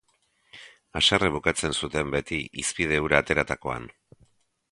Haserre bukatzen zuten beti hizpide hura ateratakoan.